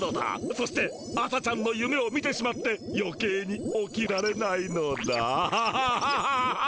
そして朝ちゃんのゆめを見てしまってよけいに起きられないのだハハハハハ。